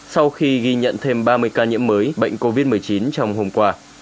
sau khi ghi nhận thêm ba mươi ca nhiễm mới bệnh covid một mươi chín trong hôm qua